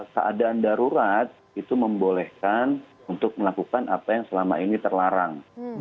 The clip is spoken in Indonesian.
keadaan darurat itu membolehkan untuk melakukan apa yang selama ini terlarang